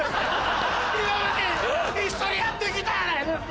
今まで一緒にやってきたやないですか！